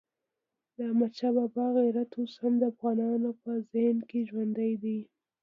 د احمدشاه بابا غیرت اوس هم د افغانانو په ذهن کې ژوندی دی.